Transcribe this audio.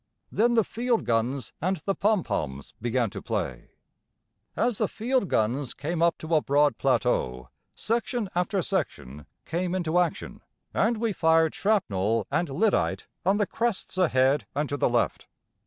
Then the field guns and the pompoms began to play. As the field guns came up to a broad plateau section after section came into action, and we fired shrapnel and lyddite on the crests ahead and to the left.